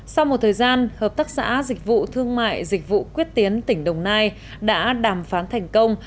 sau một thời gian hợp tác xã dịch vụ thương mại dịch vụ quyết tiến tỉnh đồng nai đã đàm phán thành công